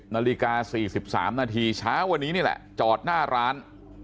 นาฬิกา๔๓นาทีเช้าวันนี้นี่แหละจอดหน้าร้าน